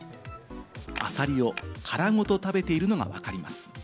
アサリを殻ごと食べているのがわかります。